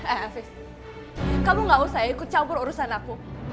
afif kamu gak usah ikut campur urusan aku